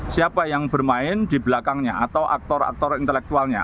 siapa yang bermain di belakangnya atau aktor aktor intelektualnya